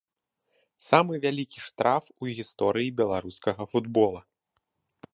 Самы вялікі штраф у гісторыі беларускага футбола.